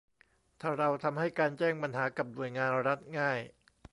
ถ้าเราทำให้การแจ้งปัญหากับหน่วยงานรัฐง่าย